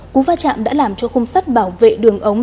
cú va chạm đã làm cho khung sắt bảo vệ đường ống